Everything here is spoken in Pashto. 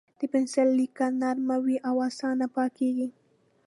د پنسل لیکه نرم وي او اسانه پاکېږي.